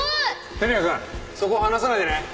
輝也くんそこ離さないでね。